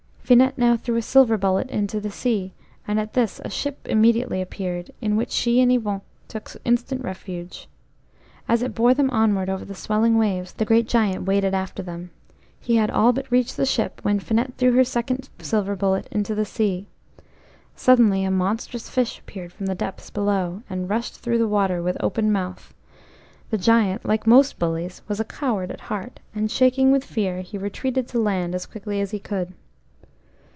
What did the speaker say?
Finette now threw a silver bullet into the sea, and at this a ship immediately appeared, in which she and Yvon took instant refuge. As it bore them onward over the swelling waves, the great Giant waded after them. He had all but reached the ship when Finette threw her second silver bullet into the sea. Suddenly a monstrous fish appeared from the depths below, and rushed through the water with open mouth. The Giant, like most bullies, was a coward at heart, and, shaking with fear, he retreated to land as quickly as he could.